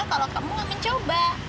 kalau kamu gak mencoba